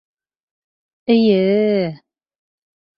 — Эйе-е...